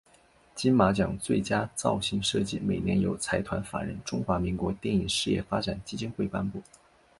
金马奖最佳造型设计每年由财团法人中华民国电影事业发展基金会颁发。